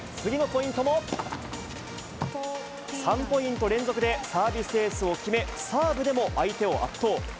３ポイント連続でサービスエースを決め、サーブでも相手を圧倒。